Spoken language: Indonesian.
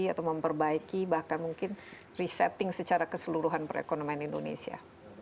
atau memperbaiki bahkan mungkin resetting secara keseluruhan perekonomian indonesia